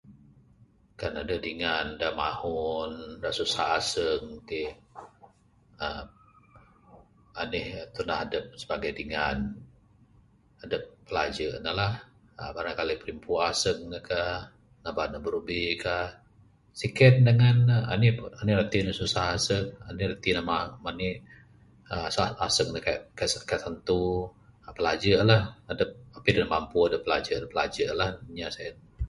Kan adeh dingan da mahun, da susah aseng ti, aa.. anih tundah adep sibagai dingan. Adep pilaje'k ne lah, barangkali pirimpu aseng ne kah, ngaban ne birubi ka. Siken dangan ne, anih anih rati ne susah aseng. Anih rati ne ma manih sak aseng ne kaik kaik tantu. Pilaje'k lah, adep pih deh mampu adep pilaje'k lah inya sien.